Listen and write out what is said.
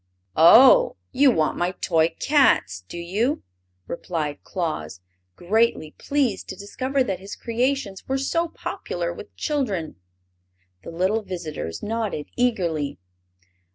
"Oh, you want my toy cats, do you?" returned Claus, greatly pleased to discover that his creations were so popular with children. The little visitors nodded eagerly.